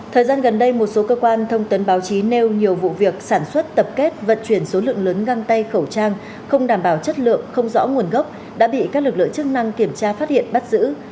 thời gian gần đây một số cơ quan thông tấn báo chí nêu nhiều vụ việc sản xuất tập kết vận chuyển số lượng lớn găng tay khẩu trang không đảm bảo chất lượng không rõ nguồn gốc đã bị các lực lượng chức năng kiểm tra phát hiện bắt giữ